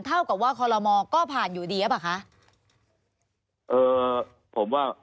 เท่ากับว่าคณะกรรมกรก็ผ่านอยู่ดีหรือเปล่าคะ